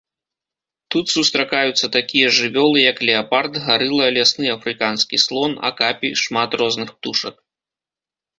Тут сустракаюцца такія жывёлы, як леапард, гарыла, лясны афрыканскі слон, акапі, шмат розных птушак.